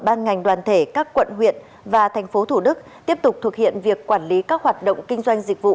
ban ngành đoàn thể các quận huyện và thành phố thủ đức tiếp tục thực hiện việc quản lý các hoạt động kinh doanh dịch vụ